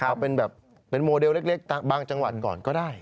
เอาเป็นแบบเป็นโมเดลเล็กบางจังหวัดก่อนก็ได้